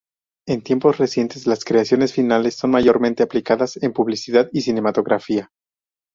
En tiempos recientes las creaciones finales son mayormente aplicadas en publicidad y cinematografía.